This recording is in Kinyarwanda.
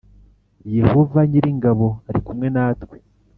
Yehova nyir ingabo arikumwe natwe